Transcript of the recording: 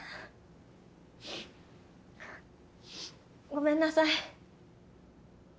ごめんなさい。